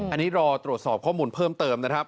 อันนี้รอตรวจสอบข้อมูลเพิ่มเติมนะครับ